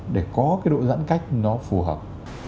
để có cái độ giãn cách nó phù hợp